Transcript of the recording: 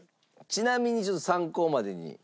ちなみにちょっと参考までに。